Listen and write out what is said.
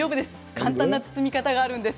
簡単な包み方があるんです。